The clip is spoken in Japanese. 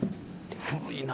古いな。